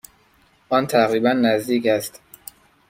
آن تقریبا نزدیک است.